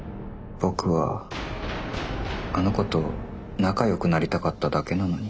僕はあの子と仲よくなりたかっただけなのに。